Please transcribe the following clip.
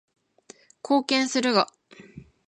貢献するが